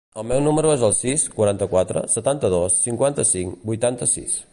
El meu número es el sis, quaranta-quatre, setanta-dos, cinquanta-cinc, vuitanta-sis.